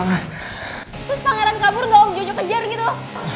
terus pangeran kabur gak om jojo kejar gitu